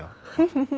フフフ。